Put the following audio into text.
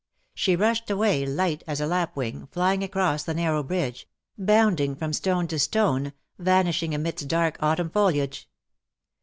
She rushed away, light as a lapwing, flying across the narrow bridge — bounding from stone to stone — vanishing amidst dark autumn foliage.